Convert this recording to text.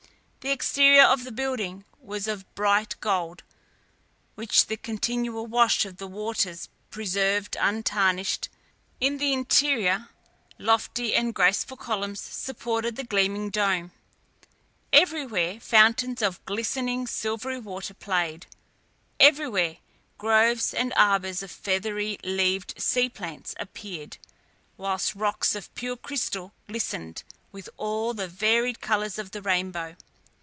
The exterior of the building was of bright gold, which the continual wash of the waters preserved untarnished; in the interior, lofty and graceful columns supported the gleaming dome. Everywhere fountains of glistening, silvery water played; everywhere groves and arbours of feathery leaved sea plants appeared, whilst rocks of pure crystal glistened with all the varied colours of the rainbow.